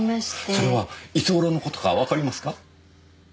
それはいつ頃の事かわかりますか？